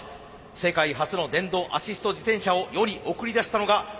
世界初の電動アシスト自転車を世に送り出したのがＹマハ発動機です。